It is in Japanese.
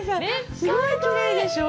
すごいきれいでしょう？